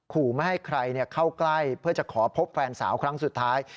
ขู่ไม่ให้ใครเข้าใกล้เพื่อจะขอพบแฟนสาวครั้งสุดท้าย